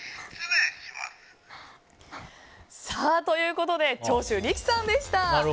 ということで長州力さんでした。